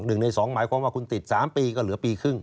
หนึ่งในสองหมายความว่าคุณติด๓ปีก็เหลือปีครึ่ง